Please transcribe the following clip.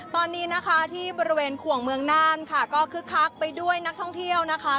ตอนนี้นะคะที่บริเวณขวงเมืองน่านค่ะก็คึกคักไปด้วยนักท่องเที่ยวนะคะ